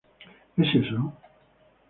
Es eso?